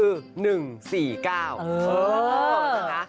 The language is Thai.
เออ